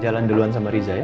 jalan duluan sama riza ya